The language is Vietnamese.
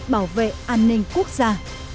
bảo vệ an ninh quốc gia